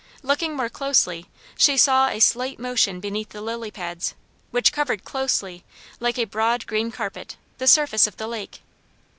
Looking more closely, she saw a slight motion beneath the lily pads, which covered closely, like a broad green carpet, the surface of the lake.